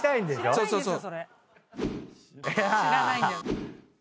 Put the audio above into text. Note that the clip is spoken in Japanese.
そうそうそう！